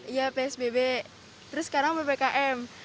iya psbb terus sekarang ppkm